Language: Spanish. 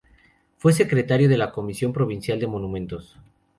Fue secretario de la Comisión Provincial de Monumentos.